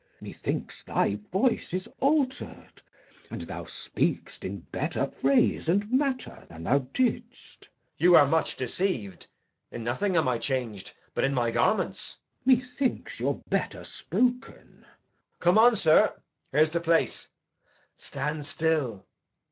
Methinks thy voice is alter'd, and thou speak'st In better phrase and matter than thou didst. Edg. Y'are much deceiv'd. In nothing am I chang'd But in my garments. Glou. Methinks y'are better spoken. Edg. Come on, sir; here's the place. Stand still.